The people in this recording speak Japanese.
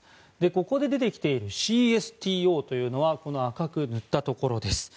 ここで出てきているＣＳＴＯというのはこの赤く塗ったところです。